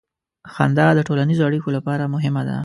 • خندا د ټولنیزو اړیکو لپاره مهمه ده.